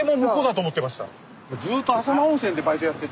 ずっと浅間温泉でバイトやってて。